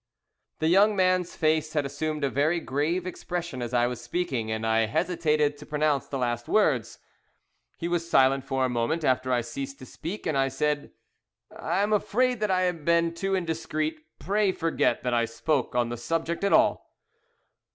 The young man's face had assumed a very grave expression as I was speaking, and I hesitated to pronounce the last words. He was silent for a moment after I ceased to speak, and I said "I am afraid that I have been too indiscreet; pray forget that I spoke on the subject at all."